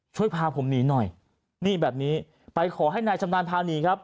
ช่วยพาผมหนีหน่อยนี่แบบนี้ไปขอให้นายชำนาญพาหนีครับ